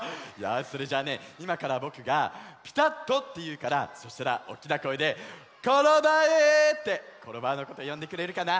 それじゃあねいまからぼくが「ぴたっと」っていうからそしたらおっきなこえで「コロバウ！」ってコロバウのことよんでくれるかな？